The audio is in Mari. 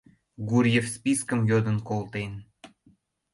Гурьев спискым йодын колтен.